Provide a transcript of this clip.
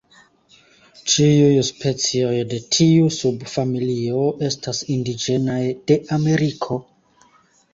Ĉiuj specioj de tiu subfamilio estas indiĝenaj de Ameriko.